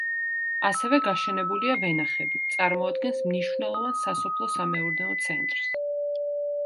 ასევე გაშენებულია ვენახები, წარმოადგენს მნიშვნელოვან სასოფლო-სამეურნეო ცენტრს.